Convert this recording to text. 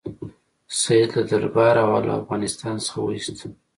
سید له درباره او له افغانستان څخه وایست.